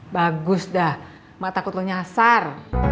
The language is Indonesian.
bagus dah mak takut lu nyasar